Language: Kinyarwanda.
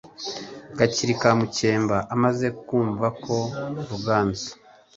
Gakeri ka Mukemba amaze kumva ko Ruganzu